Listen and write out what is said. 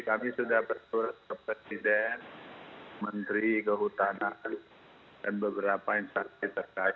kami sudah berturut ke presiden menteri ke hutana dan beberapa yang saksi terkait